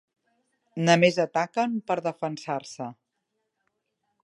Només ataquen per defensar-se.